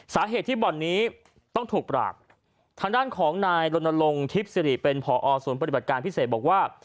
สาเหตุที่บ่อนนี้ต้องถูกปราบทางด้านของนายลนลงทิพย์สิริเป็นผอศูนย์ปฏิบัติการพิเศษบอกว่า